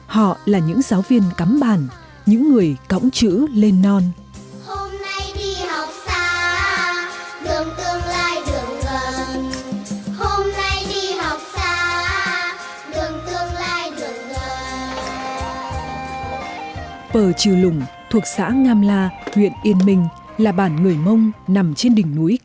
họ là những giáo viên cắm bàn những người cõng chữ